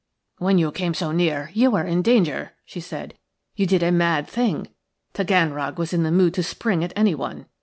"When you came so near you were in danger," she said. "You did a mad thing. Taganrog was in the mood to spring at anyone.